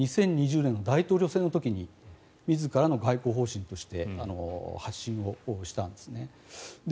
２０２０年の大統領選の時に自らの外交方針として発信をしたんですね。